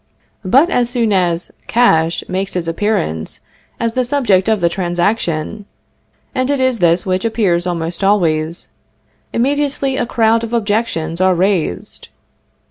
But as soon as cash makes its appearance as the subject of the transaction (and it is this which appears almost always), immediately a crowd of objections are raised.